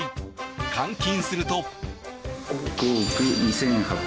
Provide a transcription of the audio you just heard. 換金すると。